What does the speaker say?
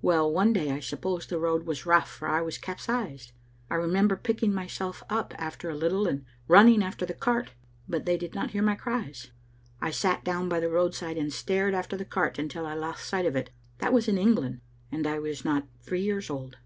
Well, one day I suppose the road was rough, for I was capsized. I remember pick ing myself up after a little and running after the cart, but they did not hear my cries. I sat down by the road side and stared after the cart until I lost sight of it. That was in England, and I was not three years old."